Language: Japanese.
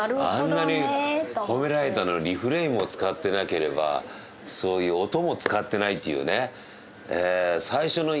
あんなに褒められたのにリフレインも使ってなければそういう音も使ってないというね。